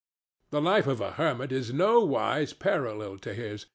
The life of a hermit is nowise parallel to his.